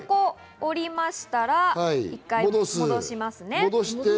折りましたら１回戻しますね。